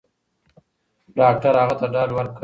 ډاکټر هغه ته ډاډ ورکړ.